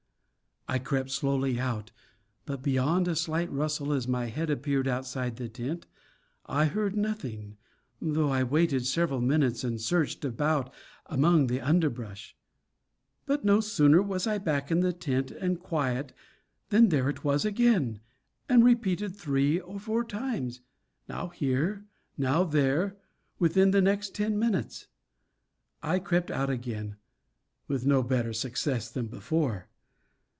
I crept slowly out; but beyond a slight rustle as my head appeared outside the tent I heard nothing, though I waited several minutes and searched about among the underbrush. But no sooner was I back in the tent and quiet than there it was again, and repeated three or four times, now here, now there, within the next ten minutes. I crept out again, with no better success than before.